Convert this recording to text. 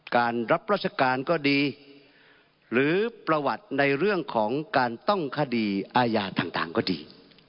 รับราชการก็ดีหรือประวัติในเรื่องของการต้องคดีอาญาต่างก็ดี